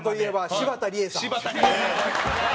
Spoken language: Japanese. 柴田理恵さん。